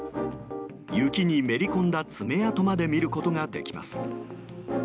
雪にめり込んだ爪痕まで見ることができます。